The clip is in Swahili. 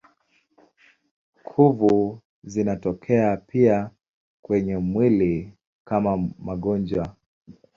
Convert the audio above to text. Kuvu zinatokea pia kwenye mwili kama magonjwa.